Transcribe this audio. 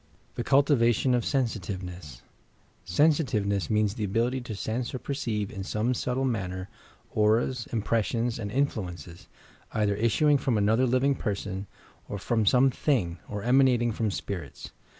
THE CULTIVATION OF SENSITIVENESS "SENsmvENESS" means the ability to sense or perceive in some subtle manner, auras, impressions and influ ences, either issuing from another living person, or from some thing, or emanating from "spirits."